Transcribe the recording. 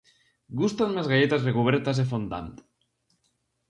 Gústanme as galletas recubertas de fondant.